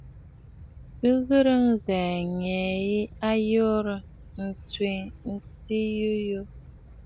Bìʼì ghɨ̀rə ŋghɛ̀ɛ̀ ǹyə yi, a yoorə̀ ǹtswe tsiiʼì yùyù.